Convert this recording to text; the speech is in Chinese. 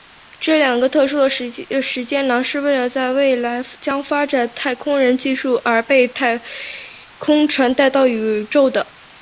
这两个特殊的时间囊是为了在未来将发展的太空人技术而被太空船带到宇宙的。